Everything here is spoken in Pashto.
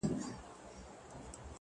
o خپل لویې موږک ته اوه سره بلا سوه,